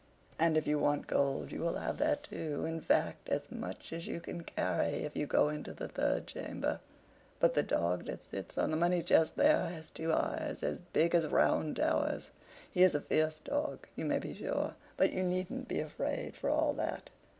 And if you want gold, you can have that too—in fact, as much as you can carry—if you go into the third chamber. But the dog that sits on the money chest there has two eyes as big as round towers. He is a fierce dog, you may be sure; but you needn't be afraid, for all that.